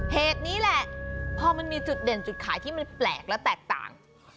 เหตุนี้แหละพอมันมีจุดเด่นจุดขายที่มันแปลกและแตกต่าง